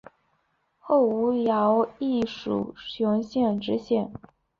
后吴兆毅署雄县知县。